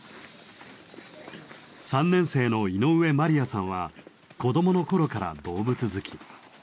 ３年生の井上真里愛さんは子どもの頃から動物好き。